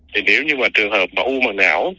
thì nếu như mà trường hợp mà u mà não